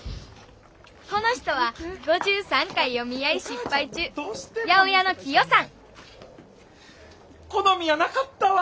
この人は５３回お見合い失敗中八百屋のキヨさん好みやなかったわ。